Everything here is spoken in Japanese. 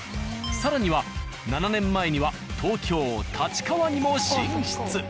更には７年前には東京・立川にも進出。